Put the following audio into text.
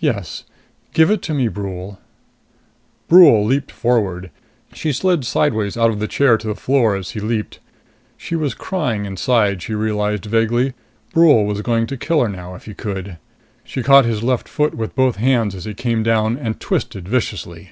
"Yes. Give it to me, Brule." Brule leaped forward. She slid sideways out of the chair to the floor as he leaped. She was crying inside, she realized vaguely. Brule was going to kill her now, if he could. She caught his left foot with both hands as he came down, and twisted viciously.